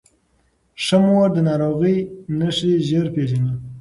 ښه مور د ناروغۍ نښې ژر پیژني.